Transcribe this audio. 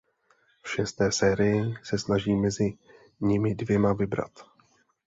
V šesté sérii se snaží mezi nimi dvěma vybrat.